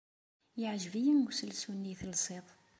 Yeɛjeb-iyi uselsu-nni ay telsiḍ.